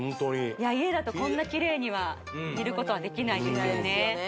家だとこんなキレイには煮ることはできないですよね